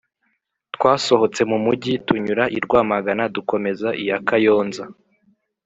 Twasohotse mu mugi tunyura i Rwamagana, dukomeza iya Kayonza